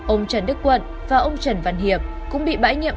ông trần đức quận và ông trần văn hiệp cũng bị bãi nhiệm